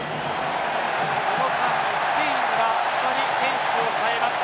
ここでスペインが２人選手を代えます。